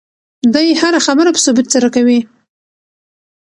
دی هره خبره په ثبوت سره کوي.